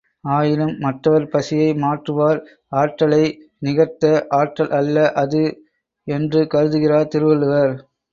ஆயினும், மற்றவர் பசியை மாற்றுவார் ஆற்றலை நிகர்த்த ஆற்றல் அல்ல அது என்று கருதுகிறார் திருவள்ளுவர்.